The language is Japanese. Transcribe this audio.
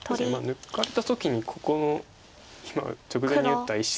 抜かれた時にここの今直前に打った石。